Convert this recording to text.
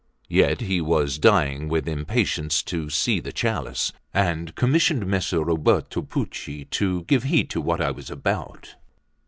Yet he was dying with impatience to see the chalice, and commissioned Messer Ruberto Pucci to give heed to what I was about.